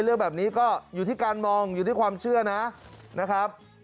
เรื่องแบบนี้ก็อยู่ที่การมองอยู่ที่ความเชื่อนะครับ